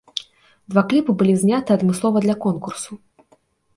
Два кліпы былі зняты адмыслова для конкурсу.